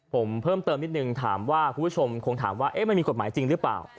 ผมเพิ่มเติมนิดนึงถามว่าคุณผู้ชมคงถามว่ามันมีกฎหมายจริงหรือเปล่า